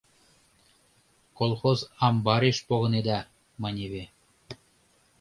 Колхоз амбареш погынеда, маневе.